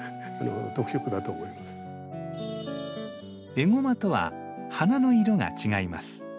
エゴマとは花の色が違います。